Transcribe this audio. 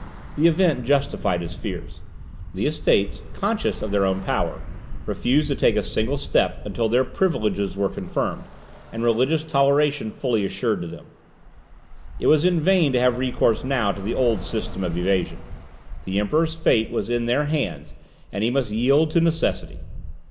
The event justified his fears. The Estates, conscious of their own power, refused to take a single step until their privileges were confirmed, and religious toleration fully assured to them. It was in vain to have recourse now to the old system of evasion. The Emperor's fate was in their hands, and he must yield to necessity.